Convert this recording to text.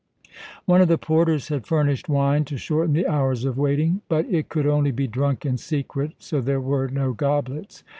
One of the porters had furnished wine to shorten the hours of waiting; but it could only be drunk in secret, so there were no goblets.